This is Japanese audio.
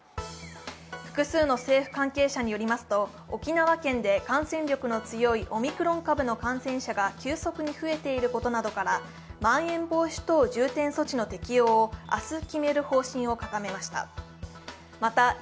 複数の政府関係者によりますと、沖縄県で感染力の強いオミクロン株の感染者が急速に増えていることなどから、まん延防止等重点措置の適用を明日決める方針を固めました。